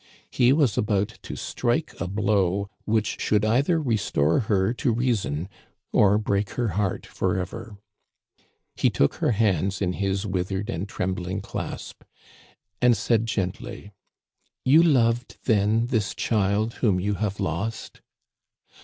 He was about to strike a blow which should either restore her to reason or break her heart forever. He took her hands in his withered and trembling clasp, and said gently :"* You loved, then, this child whom you have lost.?'